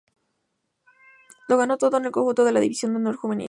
Lo ganó todo con el conjunto de la División de Honor Juvenil.